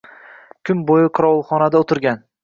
kun bo‘yi qorovulxonada o‘tirgan.